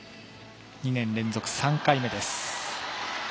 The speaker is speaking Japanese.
２年連続３回目です。